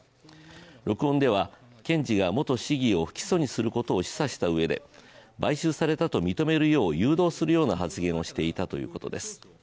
録音では、検事が元市議を不起訴にすることを示唆したうえで買収されたと認めるよう誘導するような発言をしていたということです。